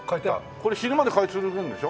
これ死ぬまで飼い続けるんでしょ？